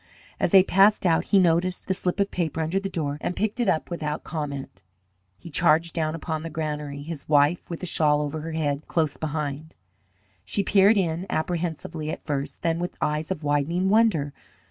As they passed out he noticed the slip of paper under the door and picked it up, but without comment. He charged down upon the granary, his wife, with a shawl over her head, close behind. She peered in, apprehensively at first, then with eyes of widening wonder.